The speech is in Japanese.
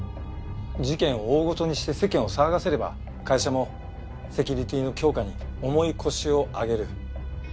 事件を大ごとにして世間を騒がせれば会社もセキュリティーの強化に重い腰を上げる。